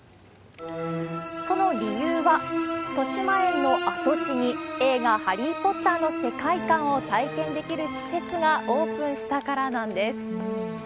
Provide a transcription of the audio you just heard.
その理由は、としまえんの跡地に映画、ハリー・ポッターの世界観を体験できる施設がオープンしたからなんです。